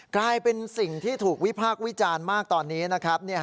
กลายเป็นสิ่งที่ถูกวิพากษ์วิจารณ์มากตอนนี้นะครับ